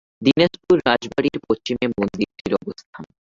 দিনাজপুর রাজবাড়ির পশ্চিমে মন্দিরটির অবস্থান।